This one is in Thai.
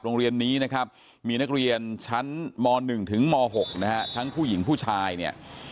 โรงเรียนนี้นะครับมีนักเรียนชั้นม๑ถึงม๖นะฮะทั้งผู้หญิงผู้ชายเนี่ย